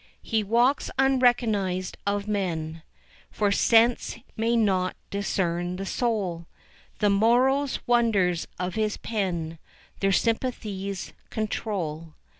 He walks unrecognized of men, For sense may not discern the soul; The morrow's wonders of his pen Their sympathies control.